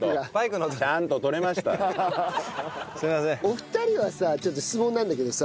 お二人はさちょっと質問なんだけどさ